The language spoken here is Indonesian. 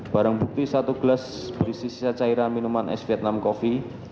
barang bukti satu gelas berisi sisa cairan minuman es vietnam coffee